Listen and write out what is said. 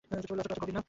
আচড়টা অত গভীর না!